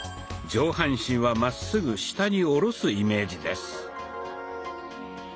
上半身はまっすぐ下に下ろすイメージです。